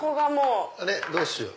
どうしよう。